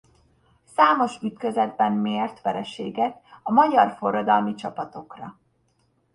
Számos ütközetben mért vereséget a magyar forradalmi csapatokra.